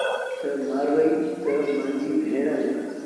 تا مآرويٚ تا مآݩجيٚ ڀيڻ اهي۔